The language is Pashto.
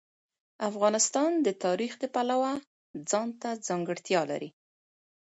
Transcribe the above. افغانستان د تاریخ د پلوه ځانته ځانګړتیا لري.